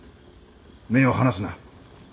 目を離すな。